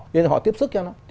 nên họ tiếp sức cho nó